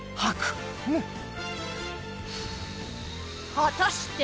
果たして？